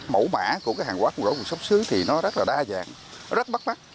mẫu mã của cái hàng hóa không rõ nguồn xuất xứ thì nó rất là đa dạng rất bắt bắt